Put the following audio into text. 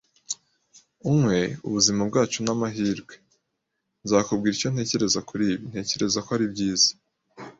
unywe ubuzima bwacu n'amahirwe. Nzakubwira icyo ntekereza kuri ibi: Ntekereza ko ari byiza.